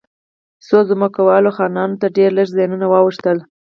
خو ځمکوالو خانانو ته ډېر لږ زیانونه واوښتل.